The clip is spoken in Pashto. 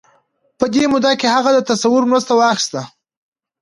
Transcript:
په دې موده کې هغه د تصور مرسته واخيسته.